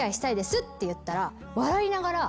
って言ったら。